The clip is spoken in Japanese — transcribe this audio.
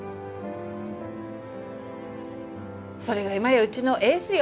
それが今やうちのエースよ。